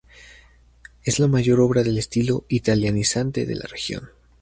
Es la mayor obra del estilo italianizante de la región.